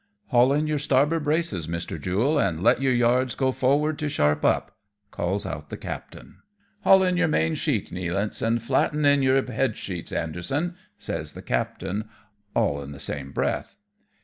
" Haul in your starboard braces, Mr. Jule, and let your yards go forward to sharp up," calls out the captain. " Haul in your main sheet, Nealance, and flatten in your headsheetsj Anderson," says the captain, all in the same breath.